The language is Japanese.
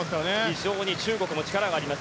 非常に中国も力があります。